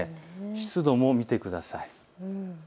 湿度を見てください。